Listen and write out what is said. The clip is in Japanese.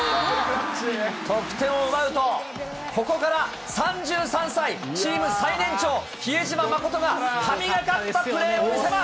得点を奪うと、ここから３３歳、チーム最年長、比江島慎が神がかったプレーを見せます。